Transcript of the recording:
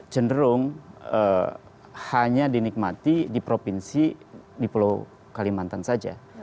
cenderung hanya dinikmati di provinsi di pulau kalimantan saja